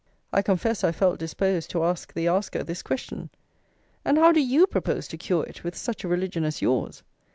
I confess I felt disposed to ask the asker this question: And how do you propose to cure it with such a religion as yours?